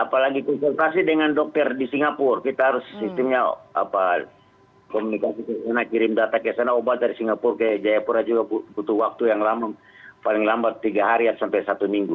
apalagi konsultasi dengan dokter di singapura kita harus sistemnya komunikasi ke sana kirim data ke sana obat dari singapura ke jayapura juga butuh waktu yang paling lambat tiga hari atau sampai satu minggu